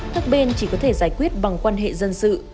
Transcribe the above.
các bên chỉ có thể giải quyết bằng quan hệ dân sự